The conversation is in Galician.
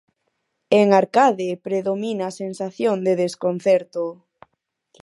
En Arcade predomina a sensación de desconcerto.